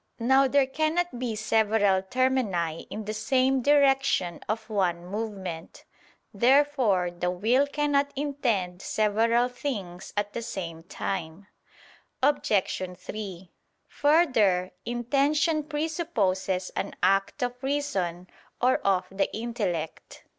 Now there cannot be several termini in the same direction of one movement. Therefore the will cannot intend several things at the same time. Obj. 3: Further, intention presupposes an act of reason or of the intellect.